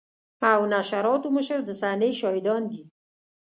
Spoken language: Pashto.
او نشراتو مشر د صحنې شاهدان دي.